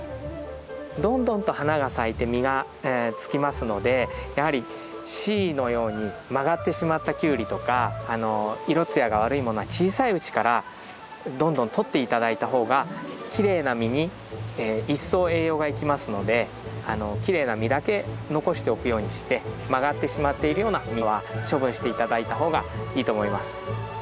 どんどんと花が咲いて実がつきますのでやはりＣのように曲がってしまったキュウリとか色ツヤが悪いものは小さいうちからどんどんとって頂いた方がきれいな実に一層栄養が行きますのできれいな実だけ残しておくようにして曲がってしまっているようなものは処分して頂いた方がいいと思います。